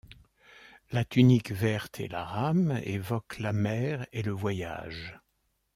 La tunique verte et la rame évoquent la mer et le voyage.